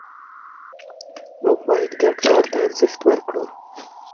موږ باید ګډ کار ته ارزښت ورکړو